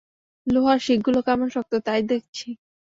লোহার শিকগুলো কেমন শক্ত, তাই দেখছি।